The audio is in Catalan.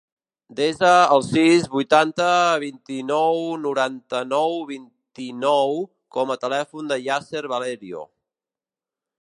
Desa el sis, vuitanta, vint-i-nou, noranta-nou, vint-i-nou com a telèfon del Yasser Valerio.